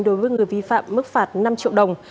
đối với người vi phạm mức phạt năm triệu đồng